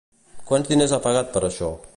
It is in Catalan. Quants diners ha pagat per això?